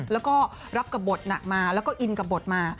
แล้วก็รับกับบทหนักมาแล้วก็อินกับบทมา